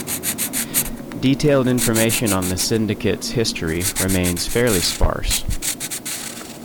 Detailed information on the Syndicate's history remains fairly sparse.